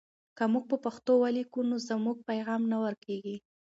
که موږ په پښتو ولیکو نو زموږ پیغام نه ورکېږي.